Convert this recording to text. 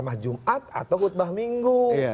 sama jumat atau khutbah minggu